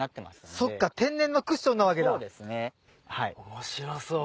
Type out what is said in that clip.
面白そう。